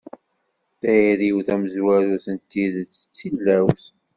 Tayri-w tamezwarut n tidet d tilawt.